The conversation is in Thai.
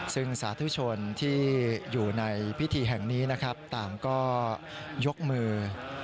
ซึ่งสาธุชนที่อยู่ในพิธีแห่งนี้นะครับต่างก็ยกมือ